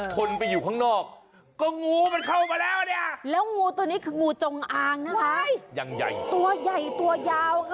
คนไปอยู่ข้างนอกก็งูมันเข้ามาแล้วเนี่ย